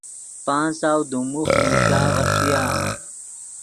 پانچ سو دیم موخ نوشا غیݰیا۔